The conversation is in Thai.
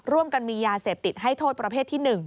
ร่วมกันมียาเสพติดให้โทษประเภทที่๑